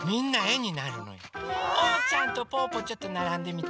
おうちゃんとぽぅぽちょっとならんでみて。